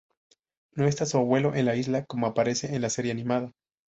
No está su abuelo en la isla como aparece en la serie animada.